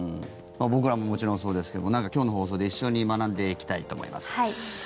僕らももちろん、そうですけども今日の放送で、一緒に学んでいきたいと思います。